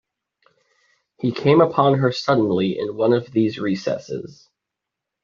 He came upon her suddenly in one of these recesses.